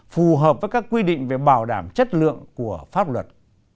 phù hợp với các quy định về bảo đảm chất lượng của pháp luật